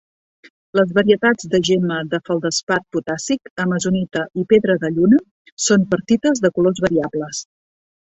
Les varietats de gemma de feldespat potàssic, amazonita i pedra de lluna són pertites de colors variables.